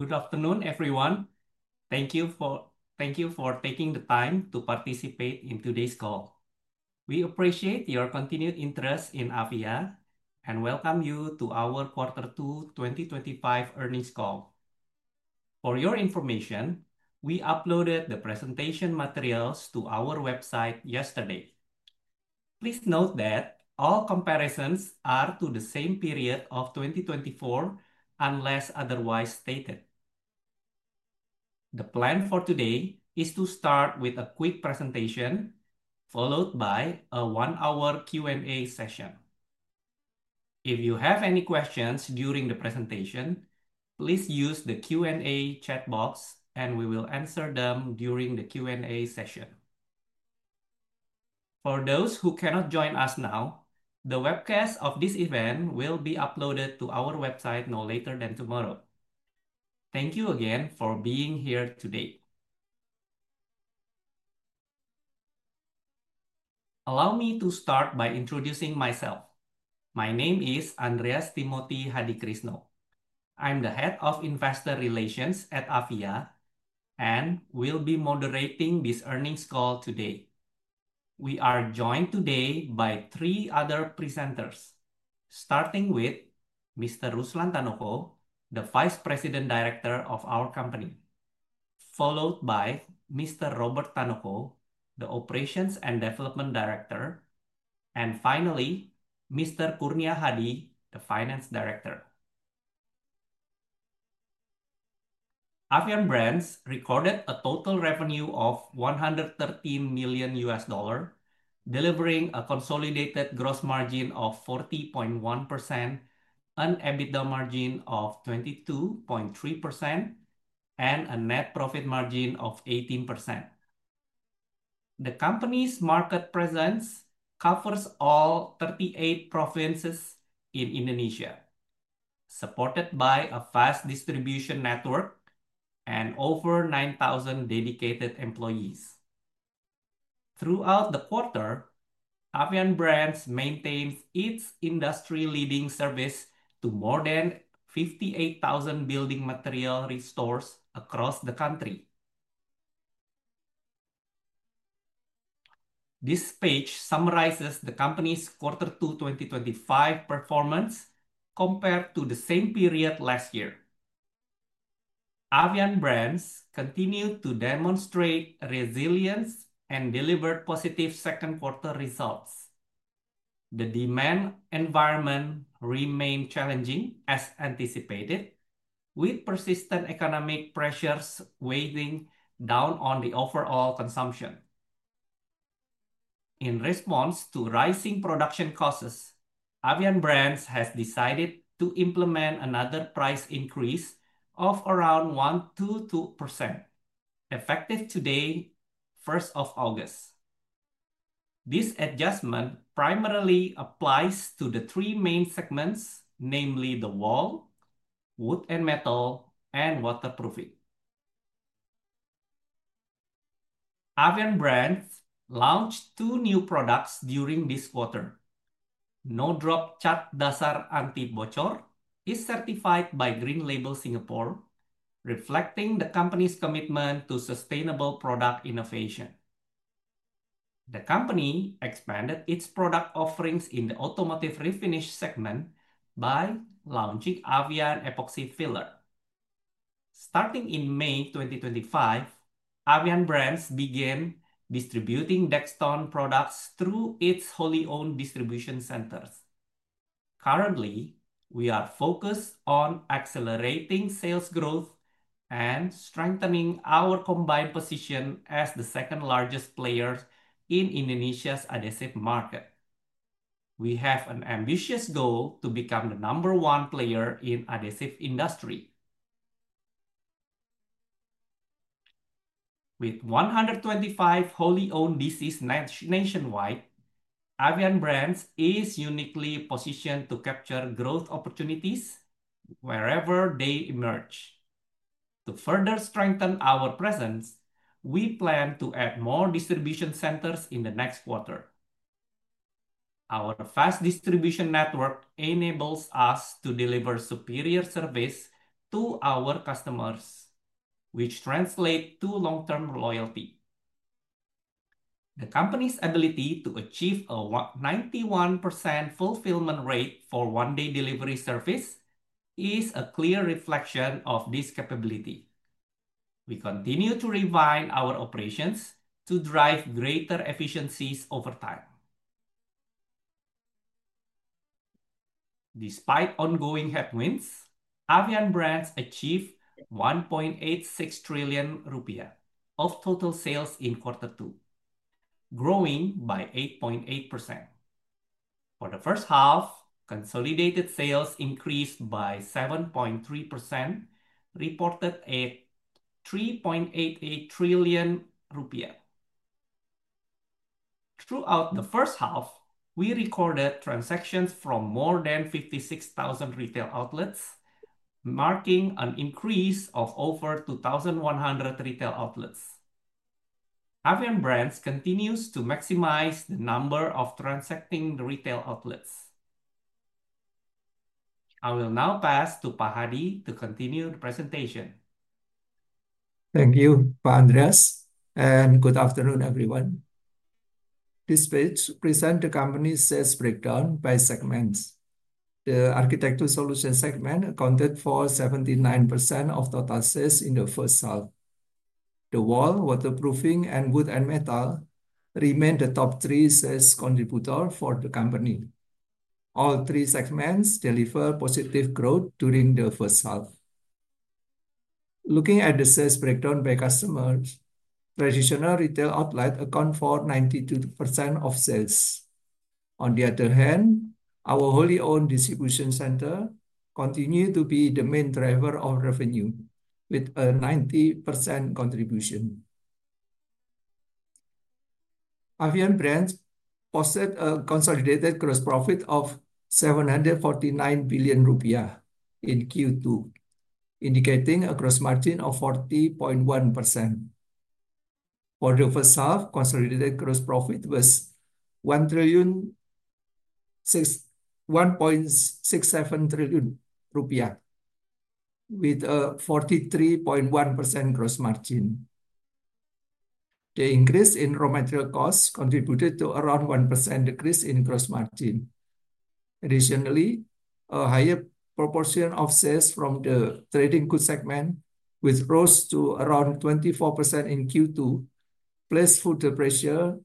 Good afternoon, everyone. Thank you for taking the time to participate in today's call. We appreciate your continued interest in Avian and welcome you to our Quarter Two 2025 Earnings Call. For your information, we uploaded the presentation materials to our website yesterday. Please note that all comparisons are to the same period of 2024 unless otherwise stated. The plan for today is to start with a quick presentation, followed by a one-hour Q&A session. If you have any questions during the presentation, please use the Q&A chat box, and we will answer them during the Q&A session. For those who cannot join us now, the webcast of this event will be uploaded to our website no later than tomorrow. Thank you again for being here today. Allow me to start by introducing myself. My name is Andreas Timothy Hadikrisno. I'm the Head of Investor Relations at Avian and will be moderating this earnings call today. We are joined today by three other presenters, starting with Mr. Ruslan Tanuko, the Vice President Director of our company, followed by Mr. Robert Tanuko, the Operations and Development Director, and finally, Mr. Kurnia Hadi, the Finance Director. Avian Brands recorded a total revenue of $113 million, delivering a consolidated gross margin of 40.1%, an EBITDA margin of 22.3%, and a net profit margin of 18%. The company's market presence covers all 38 provinces in Indonesia, supported by a vast distribution network and over 9,000 dedicated employees. Throughout the quarter, Avian Brands maintains its industry-leading service to more than 58,000 building material resellers across the country. This page summarizes the company's quarter two 2025 performance compared to the same period last year. Avian Brands continued to demonstrate resilience and delivered positive second quarter results. The demand environment remained challenging, as anticipated, with persistent economic pressures weighing down on the overall consumption. In response to rising production costs, Avian Brands has decided to implement another price increase of around 1.22%, effective today, 1st of August. This adjustment primarily applies to the three main segments, namely the wall, wood and metal, and waterproofing. Avian Brands launched two new products during this quarter. No Drop Cat Dasar Anti Bocor is certified by Green Label Singapore, reflecting the company's commitment to sustainable product innovation. The company expanded its product offerings in the automotive refinish segment by launching Avian Epoxy Filler. Starting in May 2025, Avian Brands began distributing Dextone products through its wholly owned distribution centers. Currently, we are focused on accelerating sales growth and strengthening our combined position as the second largest player in Indonesia's adhesive market. We have an ambitious goal to become the number one player in the adhesive industry. With 125 wholly owned DCs nationwide, Avian Brands is uniquely positioned to capture growth opportunities wherever they emerge. To further strengthen our presence, we plan to add more distribution centers in the next quarter. Our vast distribution network enables us to deliver superior service to our customers, which translates to long-term loyalty. The company's ability to achieve a 91% fulfillment rate for one-day delivery service is a clear reflection of this capability. We continue to refine our operations to drive greater efficiencies over time. Despite ongoing headwinds, Avian Brands achieved 1.86 trillion rupiah of total sales in Q2, growing by 8.8%. For the first half, consolidated sales increased by 7.3%, reported at IDR 3.88 trillion. Throughout the first half, we recorded transactions from more than 56,000 retail outlets, marking an increase of over 2,100 retail outlets. Avian Brands continues to maximize the number of transacting retail outlets. I will now pass to Pak Hadi to continue the presentation. Thank you, Pahadrias, and good afternoon, everyone. This page presents the company's sales breakdown by segments. The architecture solutions segment accounted for 79% of total sales in the first half. The wall, waterproofing, and wood and metal remain the top three sales contributors for the company. All three segments delivered positive growth during the first half. Looking at the sales breakdown by customers, traditional retail outlets account for 92% of sales. On the other hand, our wholly owned distribution centers continue to be the main driver of revenue, with a 90% contribution. Avian Brands posted a consolidated gross profit of 749 billion rupiah in Q2, indicating a gross margin of 40.1%. For the first half, consolidated gross profit was 1.67 trillion, with a 43.1% gross margin. The increase in raw material costs contributed to around a 1% decrease in gross margin. Additionally, a higher proportion of sales from the trading goods segment, which rose to around 24% in Q2, placed further pressure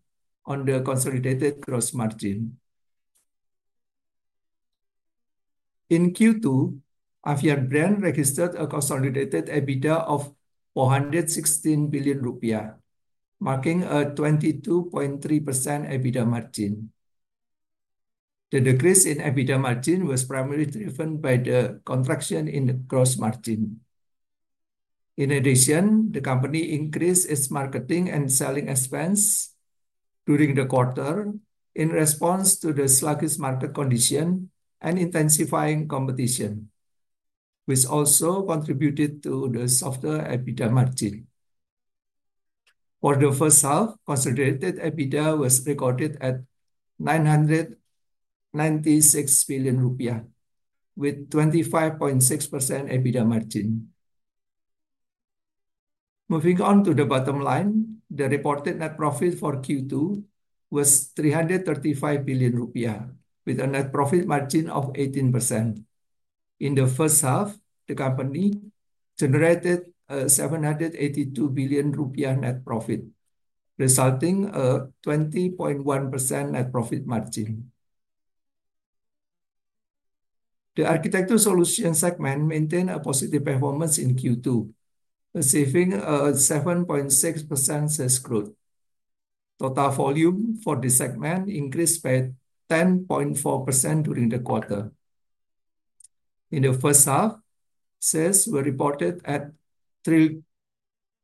on the consolidated gross margin. In Q2, Avian Brands registered a consolidated EBITDA of 416 billion rupiah, marking a 22.3% EBITDA margin. The decrease in EBITDA margin was primarily driven by the contraction in the gross margin. In addition, the company increased its marketing and selling expenses during the quarter in response to the sluggish market conditions and intensifying competition, which also contributed to the softer EBITDA margin. For the first half, consolidated EBITDA was recorded at IDR 996 billion, with a 25.6% EBITDA margin. Moving on to the bottom line, the reported net profit for Q2 was 335 billion rupiah, with a net profit margin of 18%. In the first half, the company generated a 782 billion rupiah net profit, resulting in a 20.1% net profit margin. The architecture solutions segment maintained a positive performance in Q2, achieving a 7.6% sales growth. Total volume for this segment increased by 10.4% during the quarter. In the first half, sales were reported at 3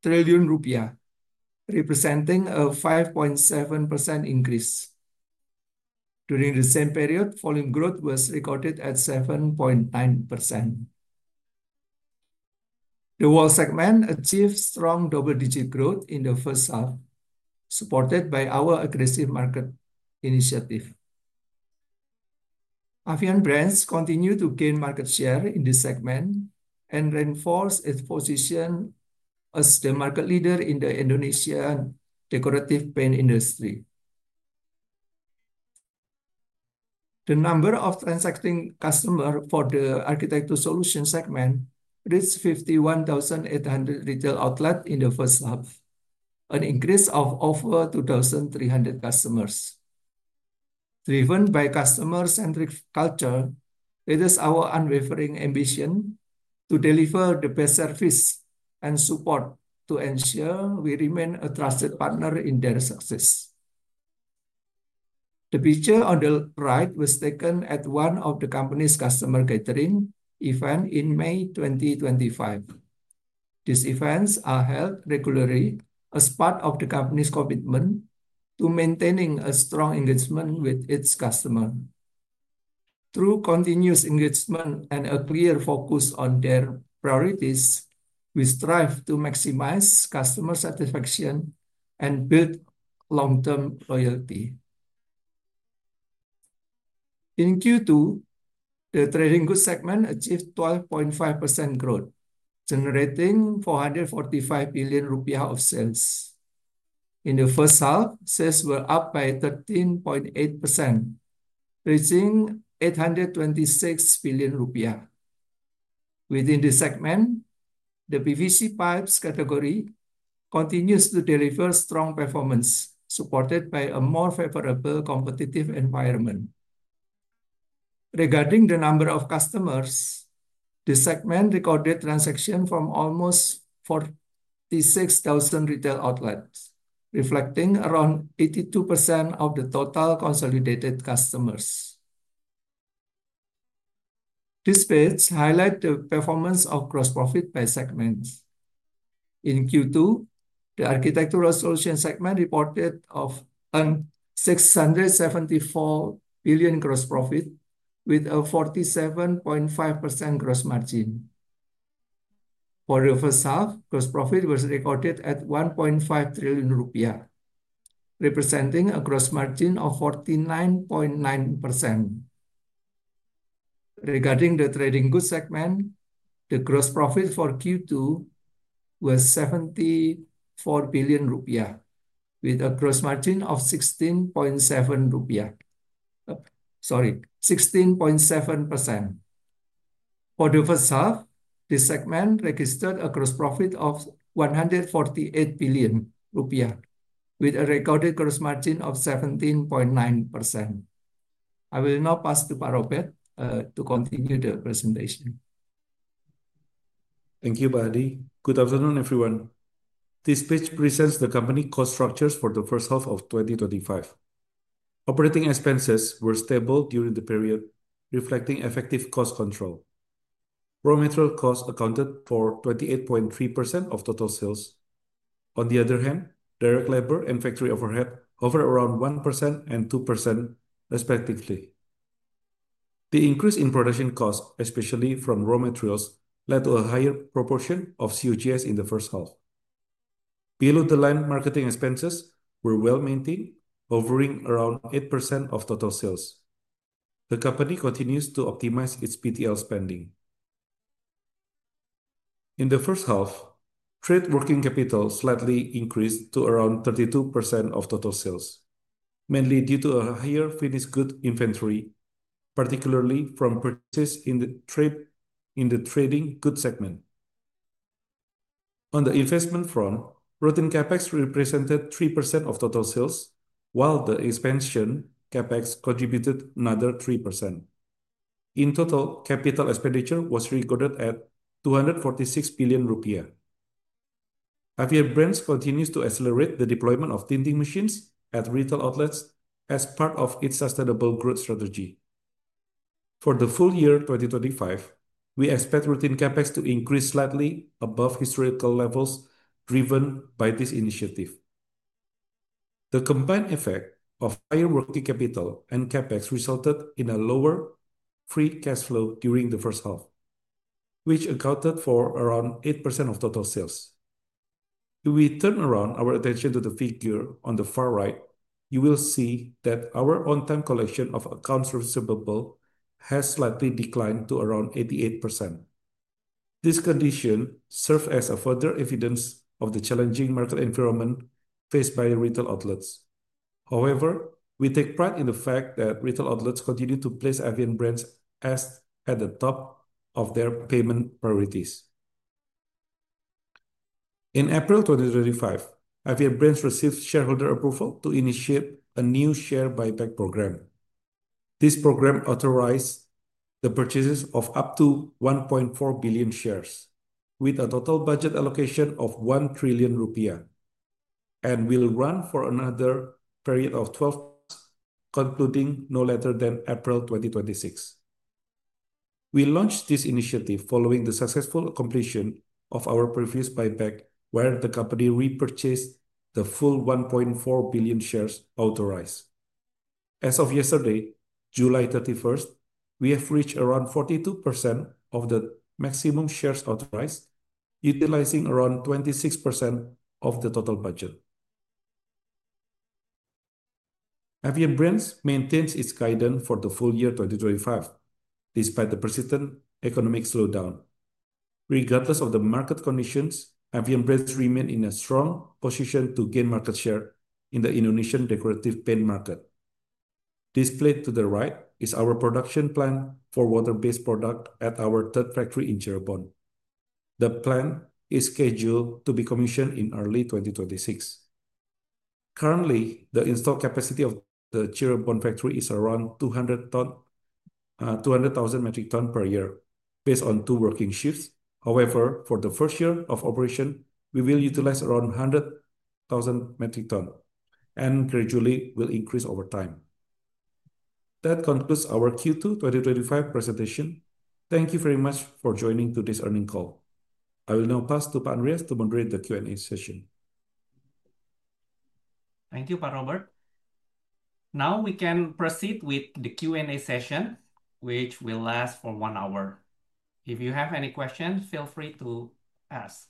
trillion rupiah, representing a 5.7% increase. During the same period, volume growth was recorded at 7.9%. The wall segment achieved strong double-digit growth in the first half, supported by our aggressive market initiative. Avian Brands continued to gain market share in this segment and reinforced its position as the market leader in the Indonesian decorative paint industry. The number of transacting customers for the architecture solutions segment reached 51,800 retail outlets in the first half, an increase of over 2,300 customers. Driven by a customer-centric culture, it is our unwavering ambition to deliver the best service and support to ensure we remain a trusted partner in their success. The picture on the right was taken at one of the company's customer gathering events in May 2025. These events are held regularly as part of the company's commitment to maintaining a strong engagement with its customers. Through continuous engagement and a clear focus on their priorities, we strive to maximize customer satisfaction and build long-term loyalty. In Q2, the trading goods segment achieved 12.5% growth, generating 445 billion rupiah of sales. In the first half, sales were up by 13.8%, reaching 826 billion rupiah. Within this segment, the PVC pipes category continues to deliver strong performance, supported by a more favorable competitive environment. Regarding the number of customers, this segment recorded transactions from almost 46,000 retail outlets, reflecting around 82% of the total consolidated customers. This page highlights the performance of gross profit by segments. In Q2, the architecture solutions segment reported an 674 billion gross profit, with a 47.5% gross margin. For the first half, gross profit was recorded at 1.5 trillion rupiah, representing a gross margin of 49.9%. Regarding the trading goods segment, the gross profit for Q2 was 74 billion rupiah, with a gross margin of 16.7%. For the first half, this segment registered a gross profit of 148 billion rupiah, with a recorded gross margin of 17.9%. I will now pass to Pak Robert to continue the presentation. Thank you, Pak Hadi. Good afternoon, everyone. This page presents the company's cost structures for the first half of 2025. Operating expenses were stable during the period, reflecting effective cost control. Raw material costs accounted for 28.3% of total sales. On the other hand, direct labor and factory overhead hovered around 1% and 2%, respectively. The increase in production costs, especially from raw materials, led to a higher proportion of COGS in the first half. Below-the-line marketing expenses were well maintained, hovering around 8% of total sales. The company continues to optimize its PTL spending. In the first half, trade working capital slightly increased to around 32% of total sales, mainly due to a higher finished goods inventory, particularly from purchases in the trading goods segment. On the investment front, routine CapEx represented 3% of total sales, while the expansion CapEx contributed another 3%. In total, capital expenditure was recorded at 246 billion rupiah. Avian Brands continues to accelerate the deployment of tinting machines at retail outlets as part of its sustainable growth strategy. For the full year 2025, we expect routine CapEx to increase slightly above historical levels driven by this initiative. The combined effect of higher working capital and CapEx resulted in a lower free cash flow during the first half, which accounted for around 8% of total sales. If we turn our attention to the figure on the far right, you will see that our on-time collection of accounts receivable has slightly declined to around 88%. This condition serves as further evidence of the challenging market environment faced by retail outlets. However, we take pride in the fact that retail outlets continue to place Avian Brands at the top of their payment priorities. In April 2025, Avian Brands received shareholder approval to initiate a new share buyback program. This program authorized the purchases of up to 1.4 billion shares, with a total budget allocation of 1 trillion rupiah, and will run for another period of 12 months, concluding no later than April 2026. We launched this initiative following the successful completion of our previous buyback, where the company repurchased the full 1.4 billion shares authorized. As of yesterday, July 31, we have reached around 42% of the maximum shares authorized, utilizing around 26% of the total budget. Avian Brands maintains its guidance for the full year 2025, despite the persistent economic slowdown. Regardless of the market conditions, Avian Brands remains in a strong position to gain market share in the Indonesian decorative paint market. Displayed to the right is our production plan for water-based products at our third factory in Cirebon. The plan is scheduled to be commissioned in early 2026. Currently, the installed capacity of the Cirebon factory is around 200,000 metric tons per year, based on two working shifts. However, for the first year of operation, we will utilize around 100,000 metric tons and gradually will increase over time. That concludes our Q2 2025 presentation. Thank you very much for joining today's earnings call. I will now pass to Pahadrias to moderate the Q&A session. Thank you, Pak Robert . Now we can proceed with the Q&A session, which will last for one hour. If you have any questions, feel free to ask.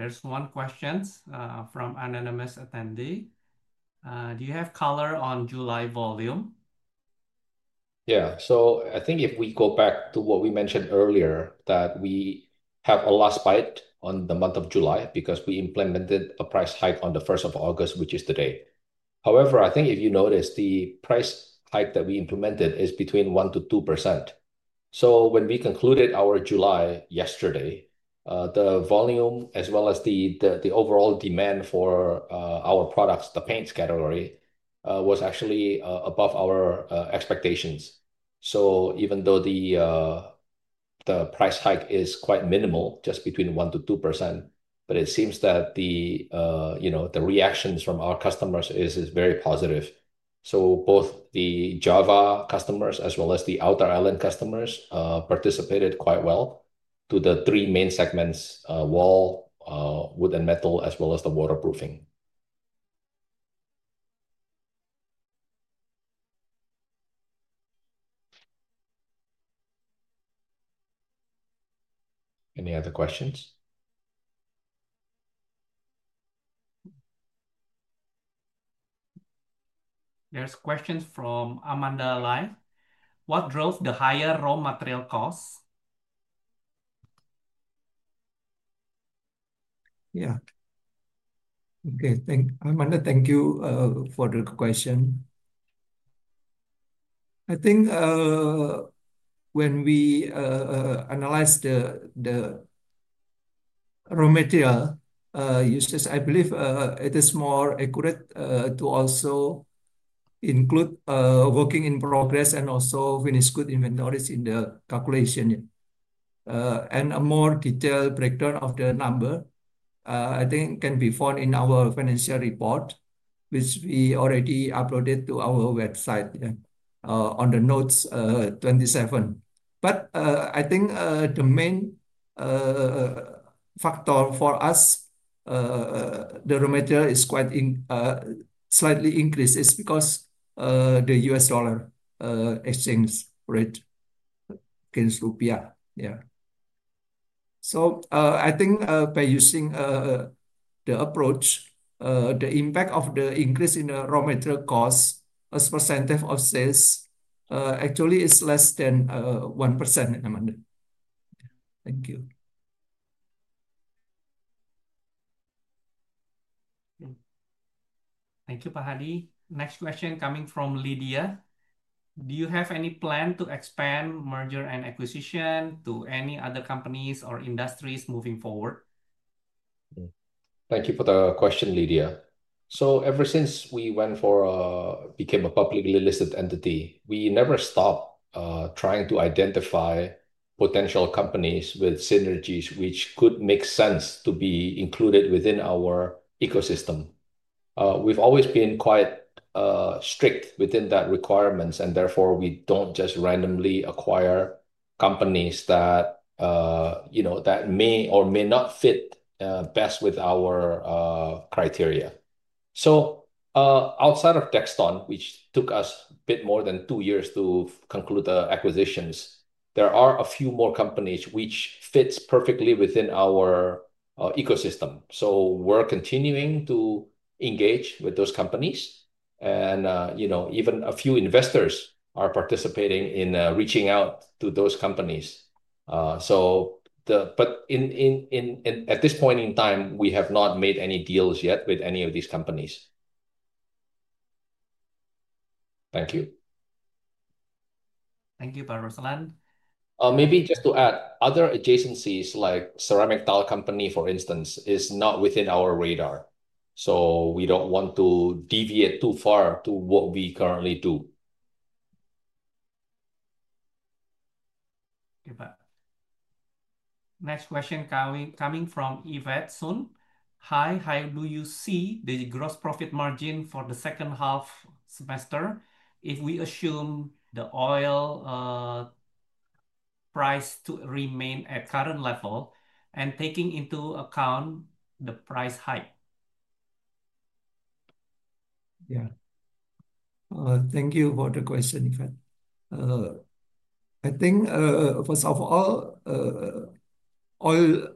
There's one question from an anonymous attendee. Do you have color on July volume? Yeah, so I think if we go back to what we mentioned earlier, we have a lost bite on the month of July because we implemented a price hike on the 1st of August, which is today. However, I think if you notice, the price hike that we implemented is between 1% to 2%. When we concluded our July yesterday, the volume, as well as the overall demand for our products, the paints category, was actually above our expectations. Even though the price hike is quite minimal, just between 1% to 2%, it seems that the reactions from our customers are very positive. Both the Java customers, as well as the Outer Island customers, participated quite well to the three main segments: wall, wood and metal, as well as the waterproofing. Any other questions? There's a question from Amanda Lai. What drove the higher raw material costs? Yeah. Okay, thank you, -- Amanda. Thank you for the question. I think when we analyze the raw material usage, I believe it is more accurate to also include work in progress and also finished goods inventories in the calculation. A more detailed breakdown of the number, I think, can be found in our financial report, which we already uploaded to our website, on the notes 27. I think the main factor for us, the raw material is quite slightly increased. It's because the U.S. dollar exchange rate against rupiah. I think by using the approach, the impact of the increase in the raw material costs as a percentage of sales actually is less than 1%, Amanda. Thank you. Thank you, Pahadi. Next question coming from Lydia. Do you have any plan to expand merger and acquisition to any other companies or industries moving forward? Thank you for the question, Lydia. Ever since we became a publicly listed entity, we never stopped trying to identify potential companies with synergies which could make sense to be included within our ecosystem. We've always been quite strict within that requirement, and therefore we don't just randomly acquire companies that may or may not fit best with our criteria. Outside of Dextone, which took us a bit more than two years to conclude the acquisitions, there are a few more companies which fit perfectly within our ecosystem. We're continuing to engage with those companies, and even a few investors are participating in reaching out to those companies. At this point in time, we have not made any deals yet with any of these companies. Thank you. Thank you, Paruslan. Maybe just to add, other adjacencies like Ceramic Doll Company, for instance, are not within our radar. We don't want to deviate too far from what we currently do. Next question coming from Yvette Soon. How do you see the gross profit margin for the second half semester if we assume the oil price remains at the current level and take into account the price hike? Thank you for the question, Yvette. I think, first of all, oil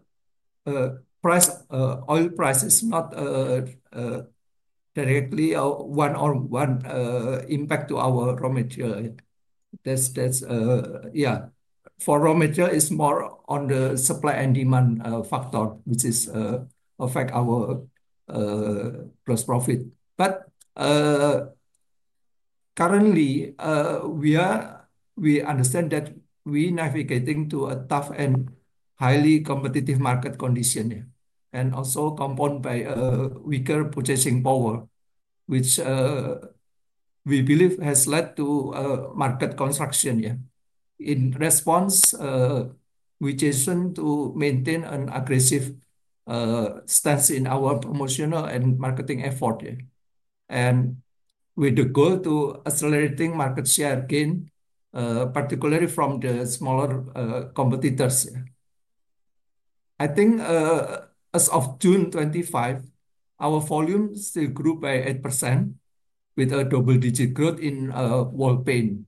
price is not directly one-on-one impact to our raw material. For raw material, it's more on the supply and demand factor, which affects our gross profit. Currently, we understand that we are navigating through a tough and highly competitive market condition, also compounded by a weaker purchasing power, which we believe has led to market contraction. In response, we have chosen to maintain an aggressive stance in our promotional and marketing efforts, with the goal to accelerate market share gain, particularly from the smaller competitors. I think as of June 25, our volume still grew by 8%, with a double-digit growth in wall paint.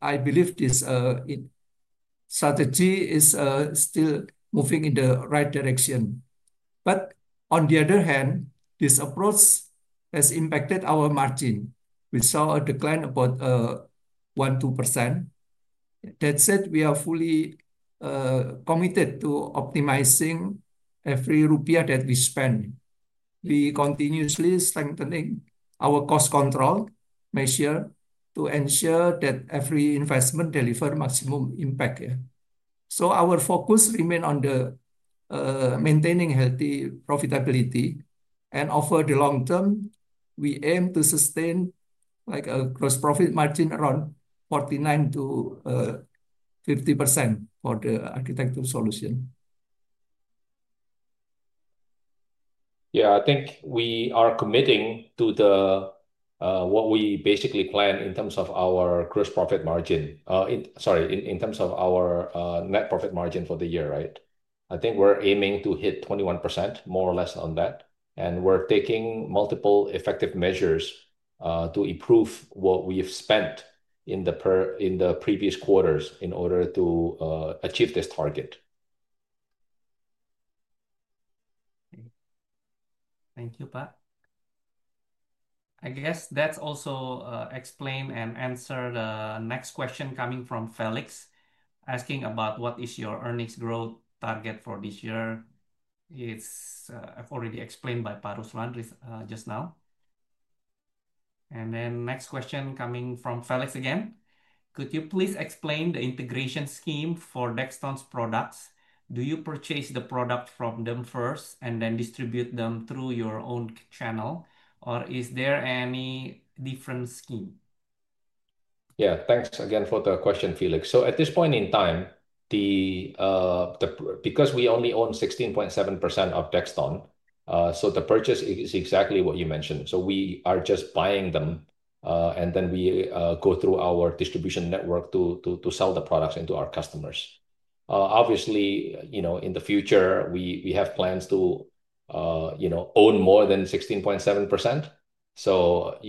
I believe this strategy is still moving in the right direction. On the other hand, this approach has impacted our margin. We saw a decline of about 1% to 2%. That said, we are fully committed to optimizing every rupiah that we spend. We are continuously strengthening our cost control measure to ensure that every investment delivers maximum impact. Our focus remains on maintaining healthy profitability, and over the long term, we aim to sustain a gross profit margin around 49% to 50% for the architecture solutions. Yeah, I think we are committing to what we basically plan in terms of our gross profit margin, sorry, in terms of our net profit margin for the year, right? I think we're aiming to hit 21%, more or less on that, and we're taking multiple effective measures to improve what we've spent in the previous quarters in order to achieve this target. Thank you, Pak. I guess that also explains and answers the next question coming from Felix, asking about what is your earnings growth target for this year. It's already explained by Pak Ruslan just now. The next question coming from Felix again, could you please explain the integration scheme for Dextone products? Do you purchase the products from them first and then distribute them through your own channel, or is there any different scheme? Yeah, thanks again for the question, Felix. At this point in time, because we only own 16.7% of Dextone, the purchase is exactly what you mentioned. We are just buying them, and then we go through our distribution network to sell the products to our customers. Obviously, in the future, we have plans to own more than 16.7%.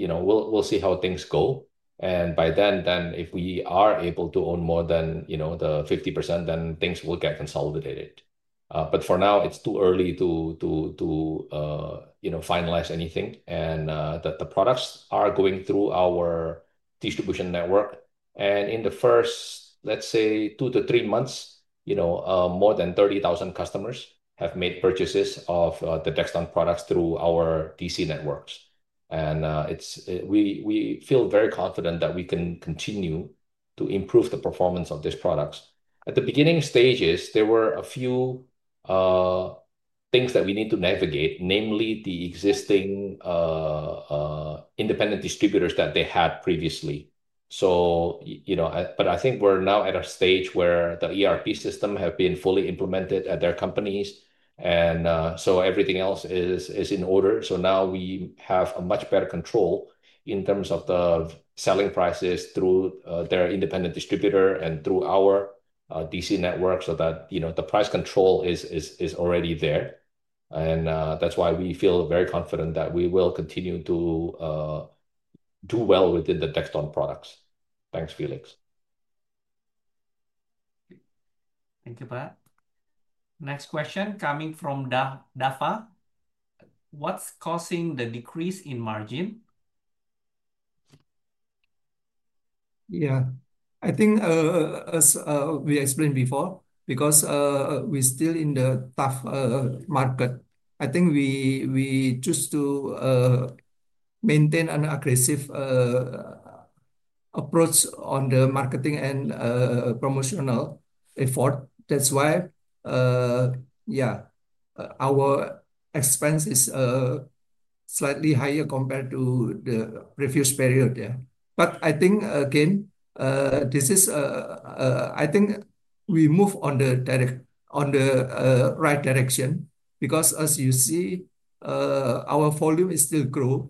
We'll see how things go. If we are able to own more than 50%, then things will get consolidated. For now, it's too early to finalize anything. The products are going through our distribution network. In the first, let's say, two to three months, more than 30,000 customers have made purchases of the Dextone products through our DC networks. We feel very confident that we can continue to improve the performance of these products. At the beginning stages, there were a few things that we need to navigate, namely the existing independent distributors that they had previously. I think we're now at a stage where the ERP system has been fully implemented at their companies, and everything else is in order. Now we have much better control in terms of the selling prices through their independent distributor and through our DC networks so that the price control is already there. That's why we feel very confident that we will continue to do well within the Dextone products. Thanks, Felix. Thank you, Pak. Next question coming from Dafa. What's causing the decrease in margin? Yeah, I think, as we explained before, because we're still in the tough market, I think we choose to maintain an aggressive approach on the marketing and promotional effort. That's why our expense is slightly higher compared to the previous period. I think, again, this is, I think we move in the right direction because, as you see, our volume is still growing.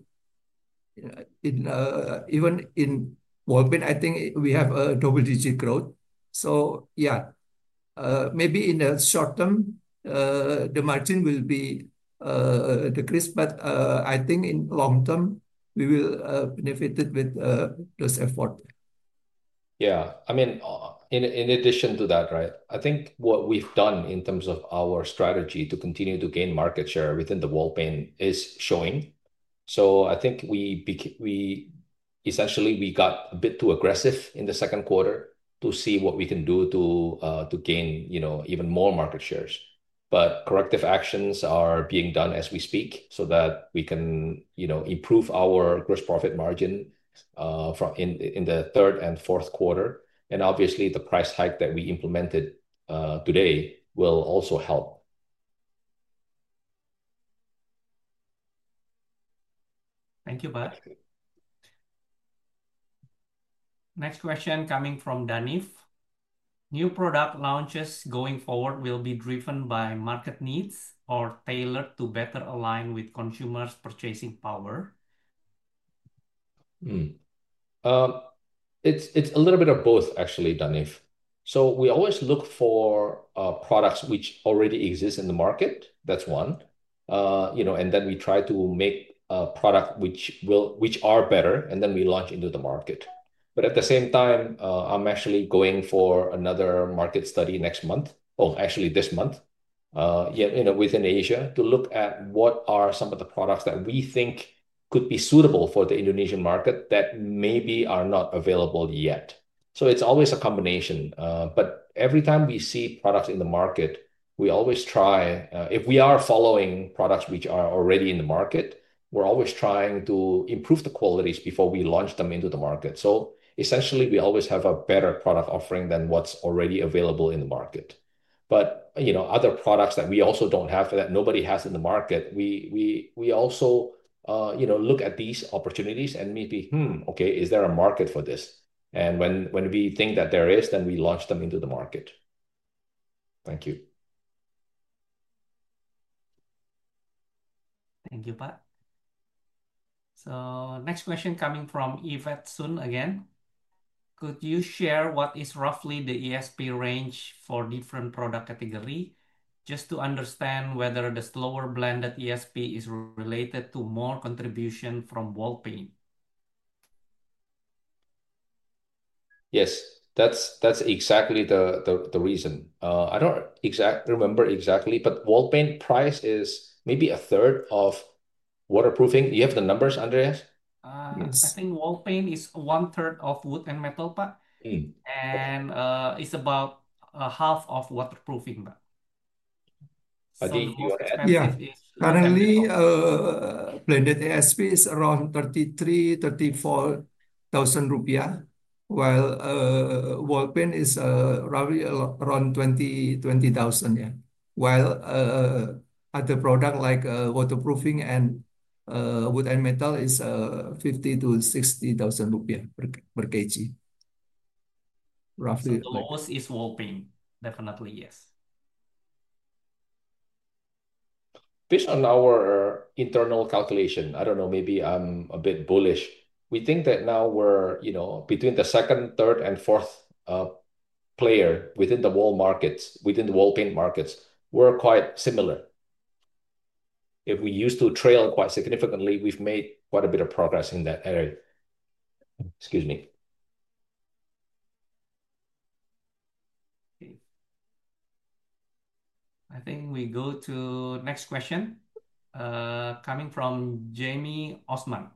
Even in wall paint, I think we have a double-digit growth. Maybe in the short term, the margin will be decreased, but I think in the long term, we will benefit from this effort. Yeah, I mean, in addition to that, I think what we've done in terms of our strategy to continue to gain market share within the wall paint is showing. I think we essentially got a bit too aggressive in the second quarter to see what we can do to gain, you know, even more market shares. Corrective actions are being done as we speak so that we can, you know, improve our gross profit margin in the third and fourth quarter. Obviously, the price hike that we implemented today will also help. Thank you, Pak. Next question coming from Danif. New product launches going forward will be driven by market needs or tailored to better align with consumers' purchasing power? It's a little bit of both, actually, Danif. We always look for products which already exist in the market, that's one. Then we try to make products which are better, and we launch into the market. At the same time, I'm actually going for another market study this month, you know, within Asia to look at what are some of the products that we think could be suitable for the Indonesian market that maybe are not available yet. It's always a combination. Every time we see products in the market, if we are following products which are already in the market, we're always trying to improve the qualities before we launch them into the market. Essentially, we always have a better product offering than what's already available in the market. Other products that we also don't have, that nobody has in the market, we also look at these opportunities and maybe, okay, is there a market for this? When we think that there is, then we launch them into the market. Thank you. Thank you, Pak. Next question coming from Yvette Soon again. Could you share what is roughly the ESP range for different product categories, just to understand whether the slower blended ESP is related to more contribution from wall paint? Yes, that's exactly the reason. I don't remember exactly, but wall paint price is maybe a third of waterproofing. Do you have the numbers, Andreas? I think wall paint is one-third of wood and metal, but it's about half of waterproofing. I think you're at, yeah. Currently, blended ESP is around 33,000 rupiah to 34,000 rupiah, while wall paint is roughly around 20,000. While other products like waterproofing and wood and metal are 50,000 to 60,000 rupiah per kg, roughly. Most is wall paint, definitely, yes. Based on our internal calculation, maybe I'm a bit bullish. We think that now we're, you know, between the second, third, and fourth player within the wall paint markets, we're quite similar. If we used to trail quite significantly, we've made quite a bit of progress in that area. Excuse me. I think we go to the next question, coming from Jamie Osman.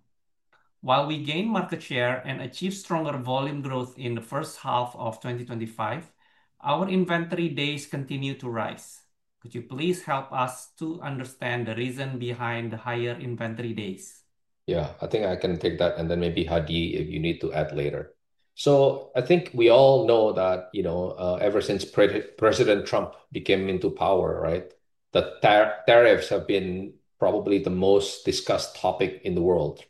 While we gain market share and achieve stronger volume growth in the first half of 2025, our inventory days continue to rise. Could you please help us to understand the reason behind the higher inventory days? Yeah, I think I can take that, and then maybe Hadi if you need to add later. I think we all know that, you know, ever since President Trump came into power, the tariffs have been probably the most discussed topic in the world.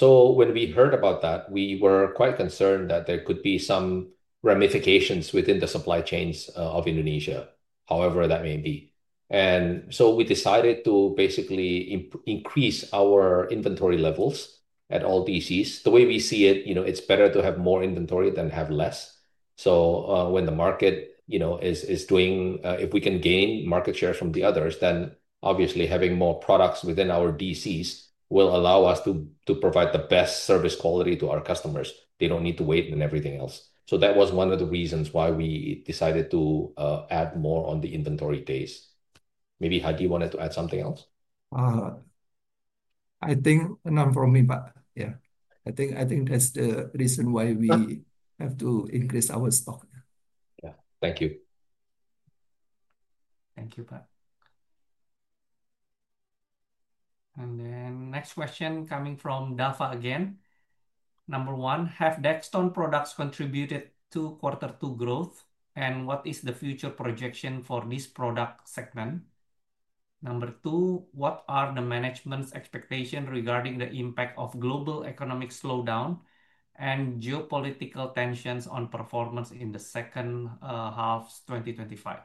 When we heard about that, we were quite concerned that there could be some ramifications within the supply chains of Indonesia, however that may be. We decided to basically increase our inventory levels at all DCs. The way we see it, it's better to have more inventory than have less. If we can gain market share from the others, then obviously having more products within our DCs will allow us to provide the best service quality to our customers. They don't need to wait and everything else. That was one of the reasons why we decided to add more on the inventory days. Maybe Hadi wanted to add something else? I think that's the reason why we have to increase our stock. Yeah, thank you. Thank you, Pak. Next question coming from Dafa again. Number one, have Dextone products contributed to quarter two growth, and what is the future projection for this product segment? Number two, what are the management's expectations regarding the impact of global economic slowdown and geopolitical tensions on performance in the second half of 2025?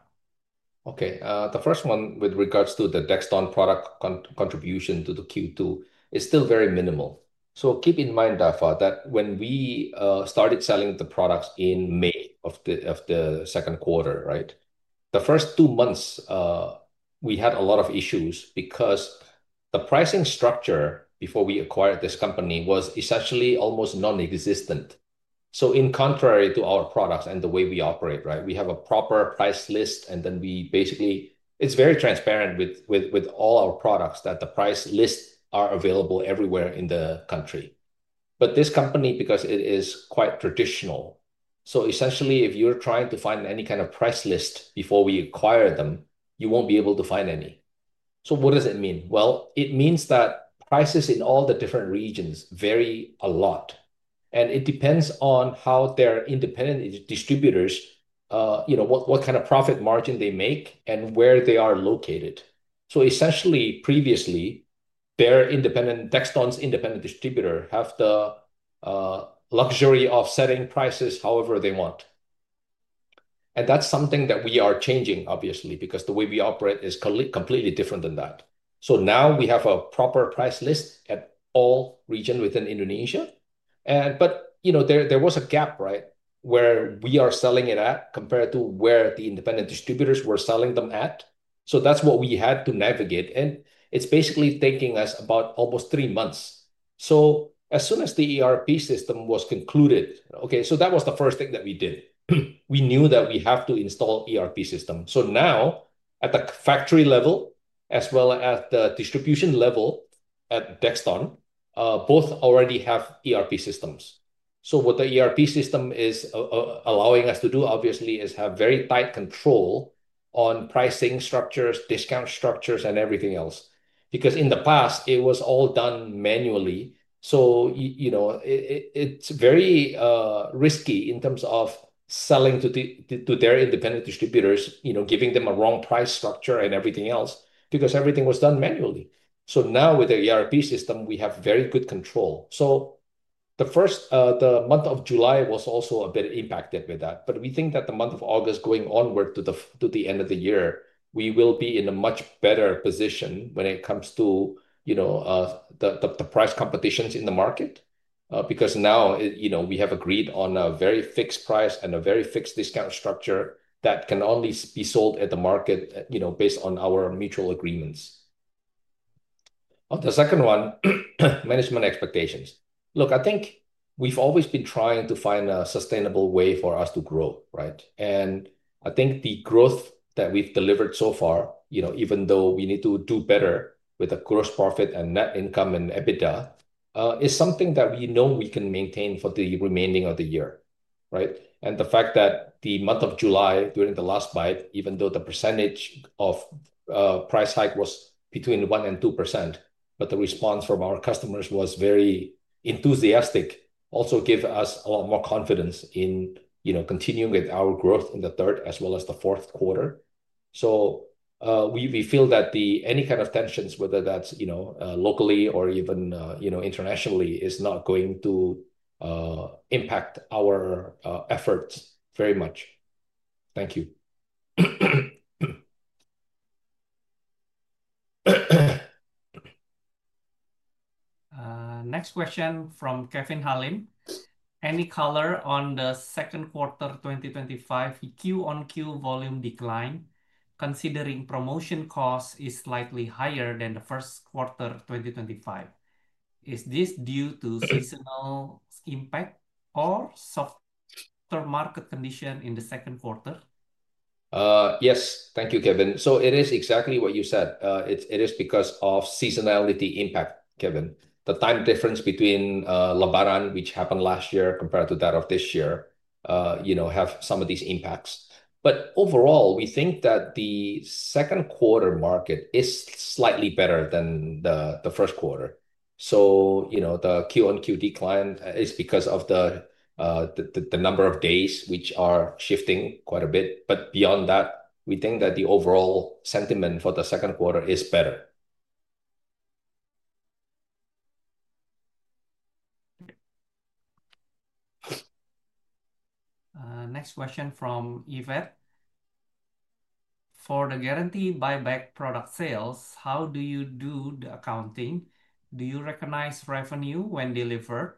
Okay, the first one with regards to the Dextone product contribution to the Q2 is still very minimal. Keep in mind, Dafa, that when we started selling the products in May of the second quarter, the first two months, we had a lot of issues because the pricing structure before we acquired this company was essentially almost non-existent. In contrast to our products and the way we operate, we have a proper price list, and then we basically, it's very transparent with all our products that the price lists are available everywhere in the country. This company, because it is quite traditional, essentially if you're trying to find any kind of price list before we acquired them, you won't be able to find any. What does it mean? It means that prices in all the different regions vary a lot, and it depends on how their independent distributors, you know, what kind of profit margin they make and where they are located. Previously, Dextone's independent distributor had the luxury of setting prices however they want. That's something that we are changing, obviously, because the way we operate is completely different than that. Now we have a proper price list at all regions within Indonesia. There was a gap where we are selling it at compared to where the independent distributors were selling them at. That's what we had to navigate, and it's basically taking us about almost three months. As soon as the ERP system was concluded, that was the first thing that we did. We knew that we have to install an ERP system. Now, at the factory level, as well as the distribution level at Dextone, both already have ERP systems. What the ERP system is allowing us to do, obviously, is have very tight control on pricing structures, discount structures, and everything else. In the past, it was all done manually. It's very risky in terms of selling to their independent distributors, giving them a wrong price structure and everything else because everything was done manually. Now with the ERP system, we have very good control. The month of July was also a bit impacted with that. We think that the month of August, going onward to the end of the year, we will be in a much better position when it comes to the price competitions in the market. Because now, you know, we have agreed on a very fixed price and a very fixed discount structure that can only be sold at the market, you know, based on our mutual agreements. On the second one, management expectations. Look, I think we've always been trying to find a sustainable way for us to grow, right? I think the growth that we've delivered so far, you know, even though we need to do better with the gross profit and net income and EBITDA, is something that we know we can maintain for the remaining of the year, right? The fact that the month of July, during the last bite, even though the percentage of price hike was between 1% and 2%, but the response from our customers was very enthusiastic, also gave us a lot more confidence in, you know, continuing with our growth in the third as well as the fourth quarter. We feel that any kind of tensions, whether that's, you know, locally or even, you know, internationally, are not going to impact our efforts very much. Thank you. Next question from Kevin Haleen. Any color on the second quarter 2025 Q-on-Q volume decline, considering promotion costs are slightly higher than the first quarter 2025? Is this due to seasonal impact or softer market conditions in the second quarter? Yes, thank you, Kevin. It is exactly what you said. It is because of seasonality impact, Kevin. The time difference between Lebaran, which happened last year compared to that of this year, has some of these impacts. Overall, we think that the second quarter market is slightly better than the first quarter. The Q-on-Q decline is because of the number of days, which are shifting quite a bit. Beyond that, we think that the overall sentiment for the second quarter is better. Next question from Yvette. For the guaranteed buyback product sales, how do you do the accounting? Do you recognize revenue when delivered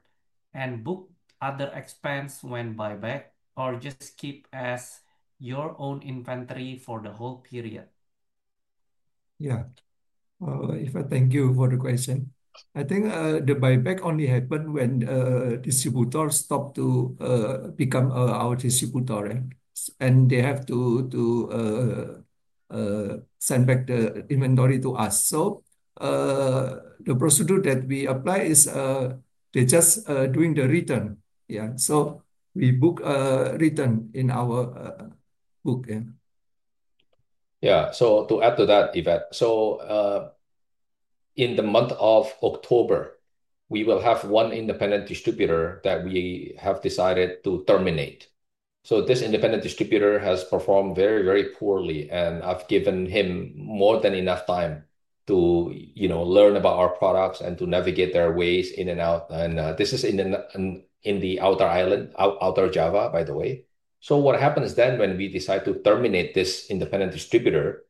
and book other expenses when buyback, or just keep as your own inventory for the whole period? Yeah, I thank you for the question. I think the buyback only happened when distributors stopped to become our distributor, and they have to send back the inventory to us. The procedure that we apply is they're just doing the return. Yeah, we book a return in our book. Yeah, to add to that, Yvette, in the month of October, we will have one independent distributor that we have decided to terminate. This independent distributor has performed very, very poorly, and I've given him more than enough time to learn about our products and to navigate their ways in and out. This is in the Outer Island, Outer Java, by the way. What happens when we decide to terminate this independent distributor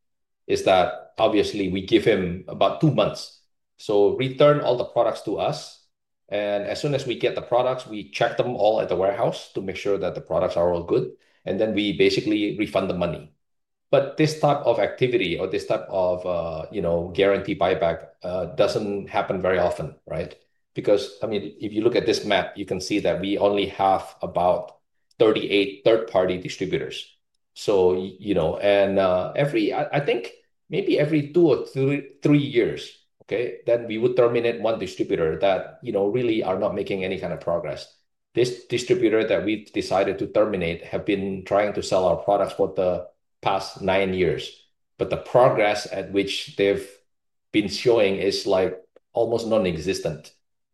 is that we give him about two months to return all the products to us, and as soon as we get the products, we check them all at the warehouse to make sure that the products are all good, and then we basically refund the money. This type of activity or this type of guaranteed buyback doesn't happen very often, right? If you look at this map, you can see that we only have about 38 third-party distributors. Every, I think, maybe every two or three years, we would terminate one distributor that really is not making any kind of progress. This distributor that we decided to terminate has been trying to sell our products for the past nine years, but the progress at which they've been showing is almost non-existent.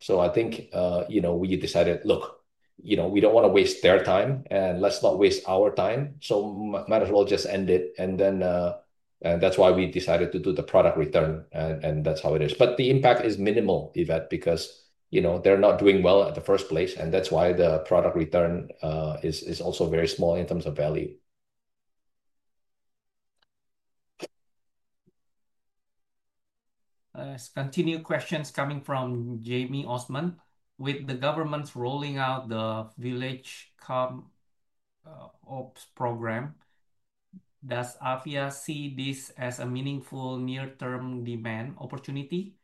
I think we decided, look, we don't want to waste their time, and let's not waste our time. Might as well just end it. That's why we decided to do the product return, and that's how it is. The impact is minimal, Yvette, because they're not doing well in the first place, and that's why the product return is also very small in terms of value. Let's continue. Questions coming from Jamie Osman. With the government rolling out the Village Comps program, does Avia see this as a meaningful near-term demand opportunity?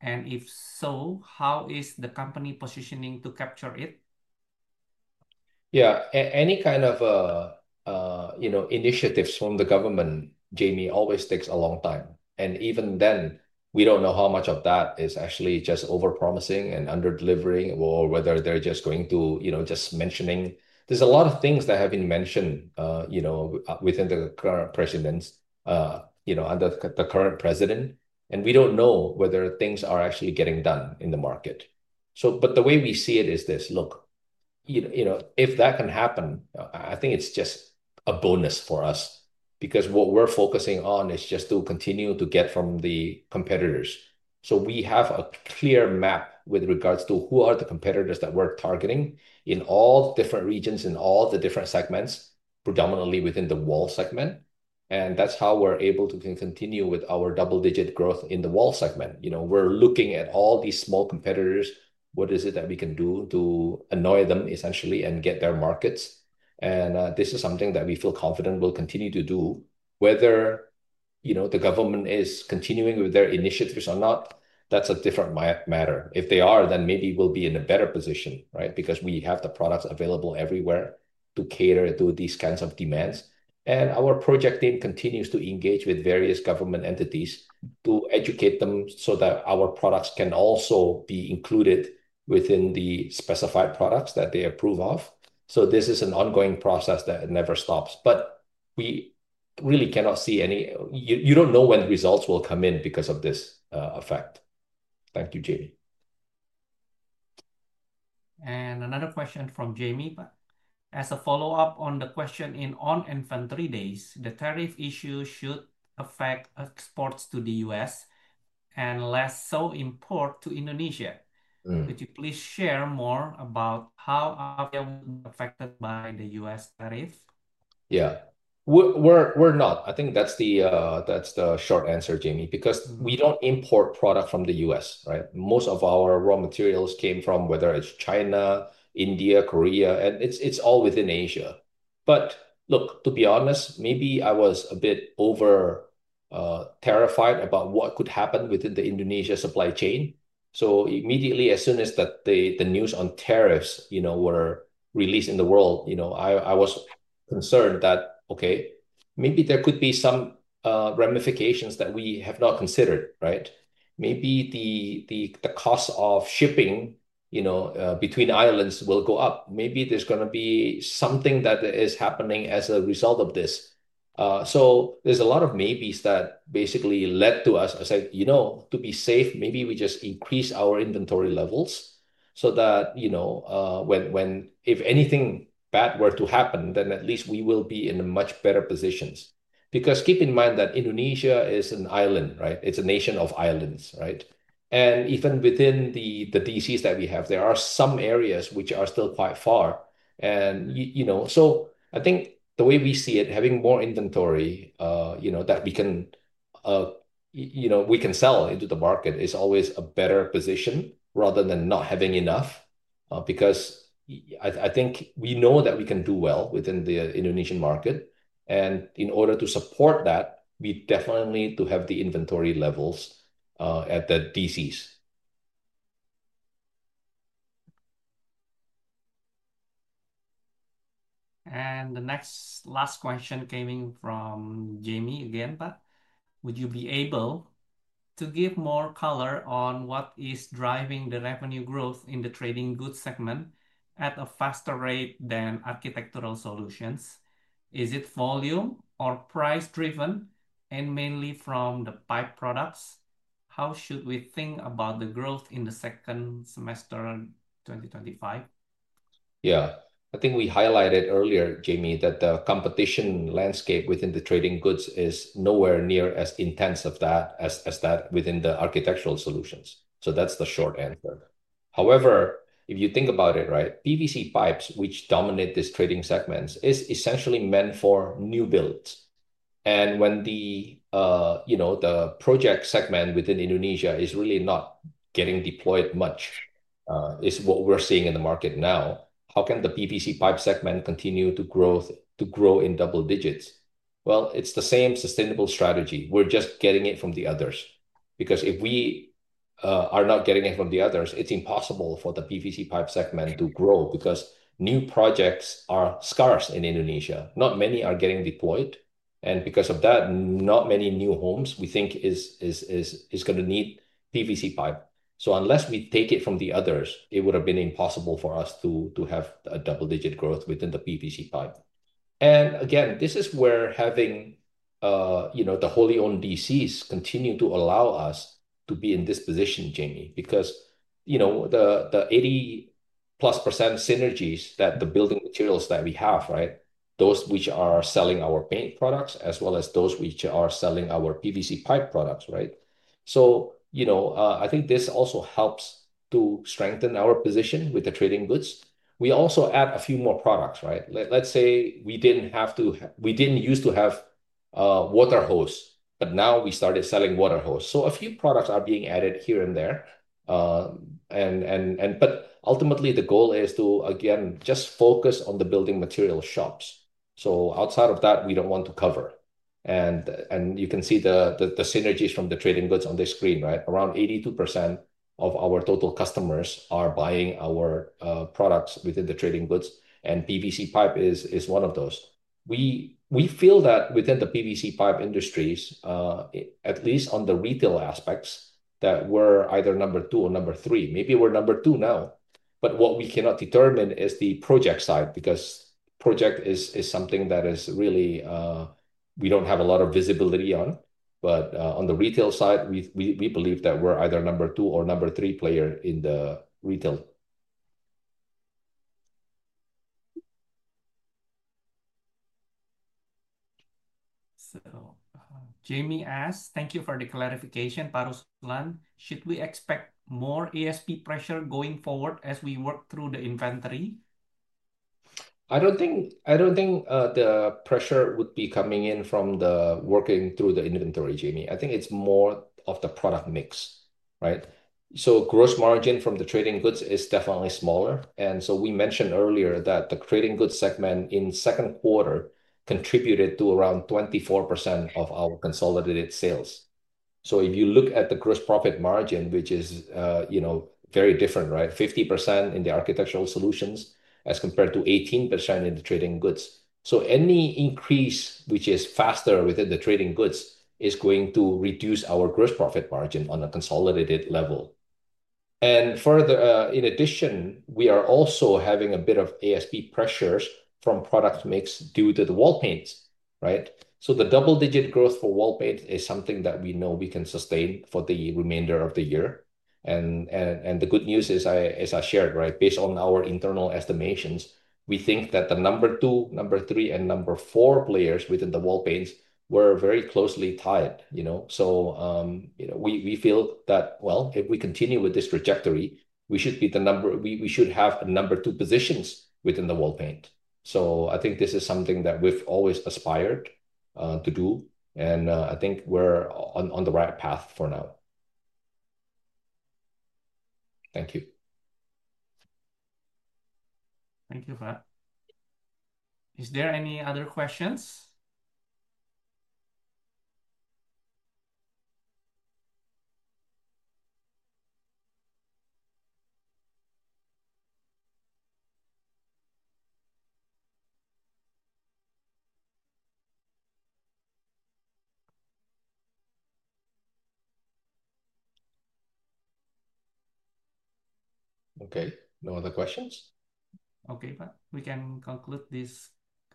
If so, how is the company positioning to capture it? Any kind of initiatives from the government, Jamie, always takes a long time. Even then, we don't know how much of that is actually just over-promising and under-delivering or whether they're just going to, you know, just mentioning. There are a lot of things that have been mentioned within the current president, under the current president, and we don't know whether things are actually getting done in the market. The way we see it is this, look, if that can happen, I think it's just a bonus for us because what we're focusing on is just to continue to get from the competitors. We have a clear map with regards to who are the competitors that we're targeting in all different regions, in all the different segments, predominantly within the wall segment. That's how we're able to continue with our double-digit growth in the wall segment. We're looking at all these small competitors, what is it that we can do to annoy them, essentially, and get their markets. This is something that we feel confident we'll continue to do. Whether the government is continuing with their initiatives or not, that's a different matter. If they are, then maybe we'll be in a better position, right, because we have the products available everywhere to cater to these kinds of demands. Our project team continues to engage with various government entities to educate them so that our products can also be included within the specified products that they approve of. This is an ongoing process that never stops. We really cannot see any, you don't know when results will come in because of this effect. Thank you, Jamie. Another question from Jamie. As a follow-up on the question on inventory days, the tariff issue should affect exports to the U.S. and less so imports to Indonesia. Could you please share more about how Avian will be affected by the U.S. tariff? Yeah, we're not. I think that's the short answer, Jamie, because we don't import products from the U.S., right? Most of our raw materials came from whether it's China, India, Korea, and it's all within Asia. To be honest, maybe I was a bit over-terrified about what could happen within the Indonesia supply chain. Immediately, as soon as the news on tariffs were released in the world, I was concerned that, okay, maybe there could be some ramifications that we have not considered, right? Maybe the cost of shipping between islands will go up. Maybe there's going to be something that is happening as a result of this. There's a lot of maybes that basically led to us saying, to be safe, maybe we just increase our inventory levels so that, when if anything bad were to happen, then at least we will be in a much better position. Keep in mind that Indonesia is an island, right? It's a nation of islands, right? Even within the DCs that we have, there are some areas which are still quite far. I think the way we see it, having more inventory that we can sell into the market is always a better position rather than not having enough. I think we know that we can do well within the Indonesian market. In order to support that, we definitely need to have the inventory levels at the DCs. The next last question came in from Jamie again, Pak. Would you be able to give more color on what is driving the revenue growth in the trading goods segment at a faster rate than architecture solutions? Is it volume or price driven, and mainly from the pipes products? How should we think about the growth in the second semester of 2025? Yeah, I think we highlighted earlier, Jamie, that the competition landscape within the trading goods is nowhere near as intense as that within the architecture solutions. That's the short answer. However, if you think about it, PVC pipes, which dominate these trading segments, are essentially meant for new builds. When the project segment within Indonesia is really not getting deployed much, it's what we're seeing in the market now. How can the PVC pipe segment continue to grow in double digits? It's the same sustainable strategy. We're just getting it from the others. If we are not getting it from the others, it's impossible for the PVC pipe segment to grow because new projects are scarce in Indonesia. Not many are getting deployed. Because of that, not many new homes we think are going to need PVC pipe. Unless we take it from the others, it would have been impossible for us to have a double-digit growth within the PVC pipe. This is where having the wholly owned DCs continue to allow us to be in this position, Jamie, because the 80%+ synergies that the building materials that we have, those which are selling our paint products, as well as those which are selling our PVC pipe products. I think this also helps to strengthen our position with the trading goods. We also add a few more products. Let's say we didn't used to have water hoses, but now we started selling water hoses. A few products are being added here and there, but ultimately the goal is to just focus on the building materials shops. Outside of that, we don't want to cover. You can see the synergies from the trading goods on this screen. Around 82% of our total customers are buying our products within the trading goods, and PVC pipe is one of those. We feel that within the PVC pipe industries, at least on the retail aspects, that we're either number two or number three. Maybe we're number two now, but what we cannot determine is the project side because the project is something that is really, we don't have a lot of visibility on. On the retail side, we believe that we're either number two or number three player in the retail. Thank you for the clarification, Pak Ruslan. Should we expect more ESP pressure going forward as we work through the inventory? I don't think the pressure would be coming in from the working through the inventory, Jamie. I think it's more of the product mix, right? Gross margin from the trading goods is definitely smaller. We mentioned earlier that the trading goods segment in the second quarter contributed to around 24% of our consolidated sales. If you look at the gross profit margin, which is, you know, very different, right? 50% in the architecture solutions as compared to 18% in the trading goods. Any increase which is faster within the trading goods is going to reduce our gross profit margin on a consolidated level. In addition, we are also having a bit of ESP pressures from product mix due to the wall paint, right? The double-digit growth for wall paint is something that we know we can sustain for the remainder of the year. The good news is, as I shared, right, based on our internal estimations, we think that the number two, number three, and number four players within the wall paint were very closely tied, you know. We feel that if we continue with this trajectory, we should have a number two position within the wall paint. This is something that we've always aspired to do, and I think we're on the right path for now. Thank you. Thank you, Pak. Is there any other questions? Okay, no other questions. Okay, Pak. We can conclude this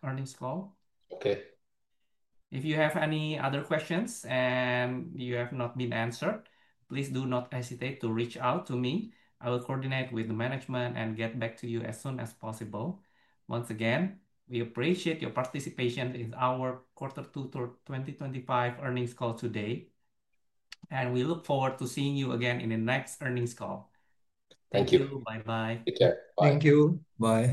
earnings call. Okay. If you have any other questions and you have not been answered, please do not hesitate to reach out to me. I will coordinate with the management and get back to you as soon as possible. Once again, we appreciate your participation in our quarter two 2025 earnings call today, and we look forward to seeing you again in the next earnings call. Thank you. Thank you. Bye-bye. Take care. Bye. Thank you. Bye.